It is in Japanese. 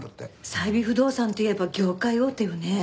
最美不動産といえば業界大手よね。